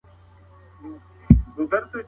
پورونه د بانکونو لخوا مستحقو سوداګرو ته ورکول کيږي.